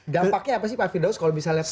dampaknya apa sih pak firdaus kalau bisa lihat dulu